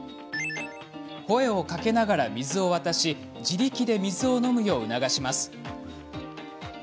声をかけながら水を渡し自力で水を飲むよう促します。